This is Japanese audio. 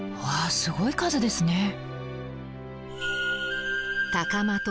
わあすごい数ですね。